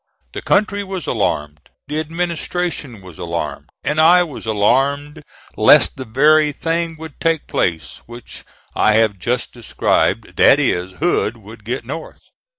The country was alarmed, the administration was alarmed, and I was alarmed lest the very thing would take place which I have just described that is, Hood would get north.